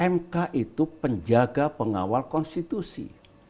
mk itu penjaga pengawal konstitusi